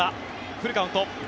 フルカウント。